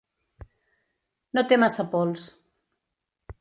No té massa pols.